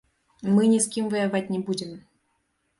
Мы ні з кім ваяваць не будзем.